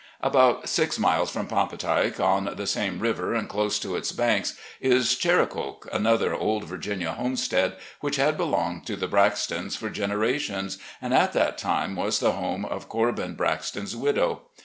About six miles from "Pampatike," on the same river and close to its banks, is "Chericoke," another old Virginia homestead, which had belonged to the Braxtons for generations, and, at that time, was the home of Corbin Braxton's widow.